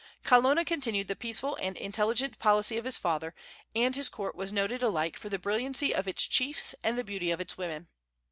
Kalona continued the peaceful and intelligent policy of his father, and his court was noted alike for the brilliancy of its chiefs and the beauty of its women.